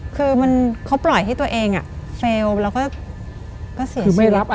คือมันเขาปล่อยให้ตัวเองอะเฟลแล้วก็เสียชีพ